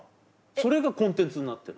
それがコンテンツになってる。